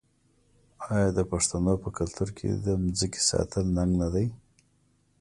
آیا د پښتنو په کلتور کې د ځمکې ساتل ننګ نه دی؟